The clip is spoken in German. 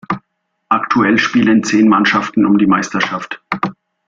Aktuell spielen zehn Mannschaften um die Meisterschaft.